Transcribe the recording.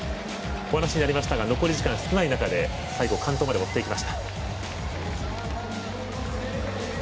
お話にありましたが残り時間少ない中で、最後完登まで持っていきました。